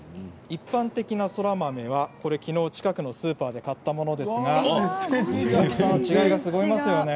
一般的なそら豆はきのう近くのスーパーで買ったものですが違いますよね。